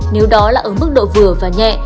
nếu đó là ở mức độ vừa và nhẹ